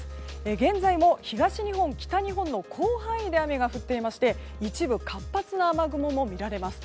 現在も東日本、北日本の広範囲で雨が降っていまして一部活発な雨雲も見られます。